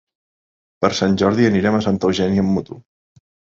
Per Sant Jordi anirem a Santa Eugènia amb moto.